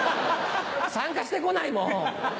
参加して来ないもう。